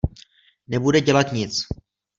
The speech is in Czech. Nebude dělat nic.